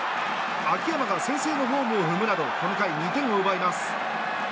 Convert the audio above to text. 秋山が先制のホームを踏むなどこの回、２点を奪います。